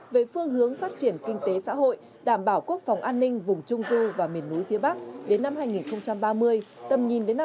về phương hướng phát triển kinh tế xã hội đảm bảo quốc phòng an ninh vùng trung du và miền núi phía bắc đến năm hai nghìn ba mươi tầm nhìn đến năm hai nghìn bốn mươi